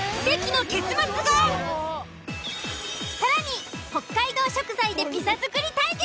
更に北海道食材でピザ作り対決。